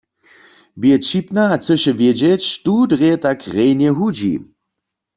Bě wćipna a chcyše wědźeć, štó drje tak rjenje hudźi.